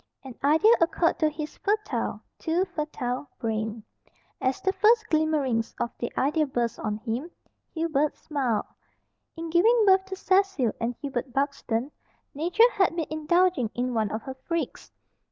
An idea occurred to his fertile too fertile brain. As the first glimmerings of the idea burst on him, Hubert smiled. In giving birth to Cecil and Hubert Buxton, Nature had been indulging in one of her freaks.